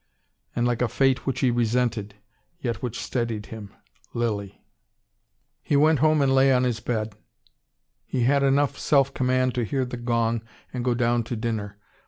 And like a fate which he resented, yet which steadied him, Lilly. He went home and lay on his bed. He had enough self command to hear the gong and go down to dinner.